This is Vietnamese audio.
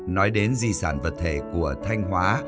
nói đến di sản vật thể của thanh hóa